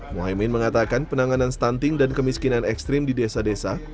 muhaymin mengatakan penanganan stunting dan kemiskinan ekstrim di desa desa